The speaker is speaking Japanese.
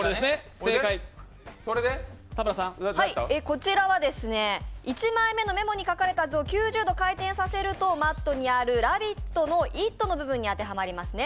こちらは、１枚目のメモに書かれたものを９０度回転させると、マットにある「ＬＯＶＥｉｔ！」の「ｉｔ！」の部分に当たりますね。